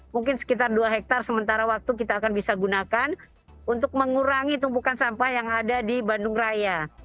mungkin sekitar dua hektare sementara waktu kita akan bisa gunakan untuk mengurangi tumpukan sampah yang ada di bandung raya